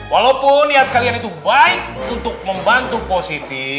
walaupun niat kalian itu baik untuk membantu positif